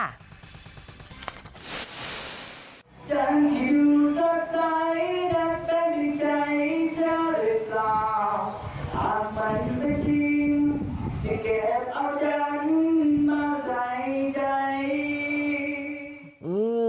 เพราะฉะนั้นมาใส่ใจ